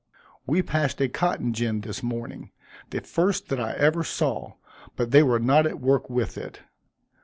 We passed a cotton gin this morning, the first that I ever saw; but they were not at work with it.